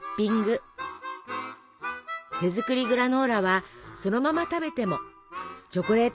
手作りグラノーラはそのまま食べてもチョコレートでコーティングしても。